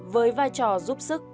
với vai trò giúp sức